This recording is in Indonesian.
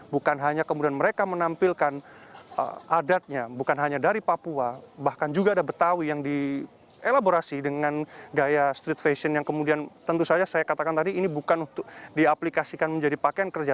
bukan hanya kemudian mereka menampilkan adatnya bukan hanya dari papua bahkan juga ada betawi yang dielaborasi dengan gaya street fashion yang kemudian tentu saja saya katakan tadi ini bukan untuk diaplikasikan menjadi pakaian kerja